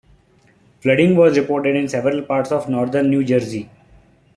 Flooding was reported in several parts of northern New Jersey.